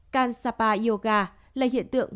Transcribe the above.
kansapa yoga là hiện tượng